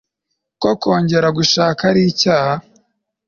ko kongera gushaka ari icyaha